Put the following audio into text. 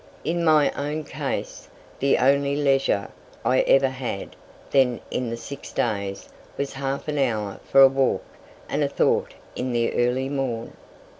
In my own case, the only "leisure" I ever had then in the six days was half an hour for a walk and a thought in the early morn.